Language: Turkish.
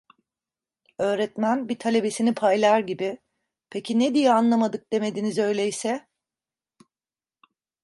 Öğretmen, bir talebesini paylar gibi: "Peki, ne diye anlamadık demediniz öyleyse?"